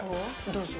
どうぞ。